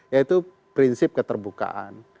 yaitu prinsip keterbukaan